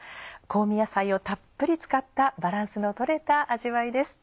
香味野菜をたっぷり使ったバランスの取れた味わいです。